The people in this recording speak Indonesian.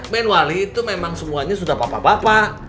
main wali itu memang semuanya sudah bapak bapak